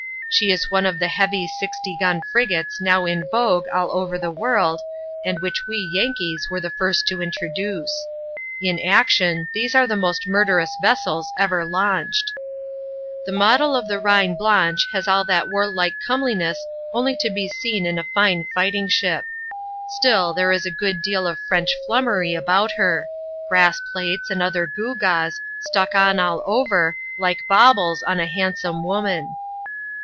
She is one of the heavy sixty gun frigates now in vogue all over the world, and which we Yankees were the first to introduce. In action, these are the most murderous vessels ever launched. The model of the Reine Blanche has all that warlike come hness only to be seen in a fine fighting ship. Still, there is a good deal of French flummery about her — brass plates and other gewgaws, stuck on all over, like baubles on a handsome woman.